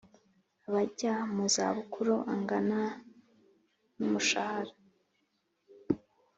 Abajya mu zabukuru angana n umushahara